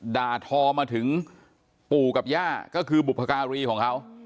ด่าทอมาถึงปู่กับย่าก็คือบุพการีของเขา